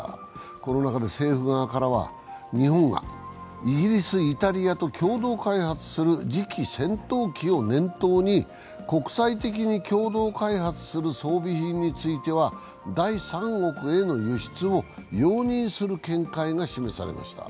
この中で政府側からは日本がイギリス、イタリアと共同開発する次期戦闘機を念頭に国際的に共同開発する装備品については第三国への輸出を容認する見解が示されました。